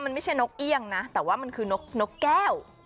มันไม่ใช่นกเอี่ยงนะแต่ว่ามันคือนกแก้ว